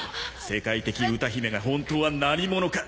世界的歌姫が本当は何者か。